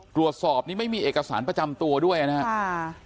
ตรวจสอบนี้ไม่มีเอกสารประจำตัวด้วยนะครับ